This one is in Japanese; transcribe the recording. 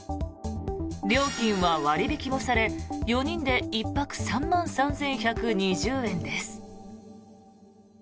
料金は割引もされ、４人で１泊３万３１２０円です。